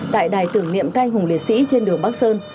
tại đài tưởng niệm canh hùng liệt sĩ trên đường bắc sơn